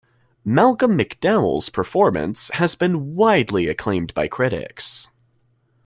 Malcolm McDowell's performance has been widely acclaimed by critics.